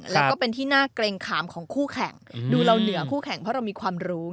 แล้วก็เป็นที่น่าเกรงขามของคู่แข่งดูเราเหนือคู่แข่งเพราะเรามีความรู้ไง